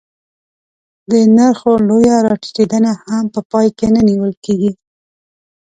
د نرخو لویه راټیټېدنه هم په پام کې نه نیول کېږي